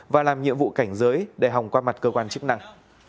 và làm nhiệm vụ cảnh giới để hòng qua mặt cơ quan chức năng